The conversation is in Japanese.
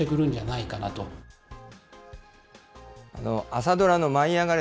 朝ドラの舞いあがれ！